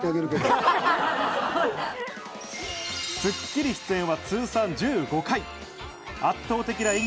『スッキリ』出演は通算１５回。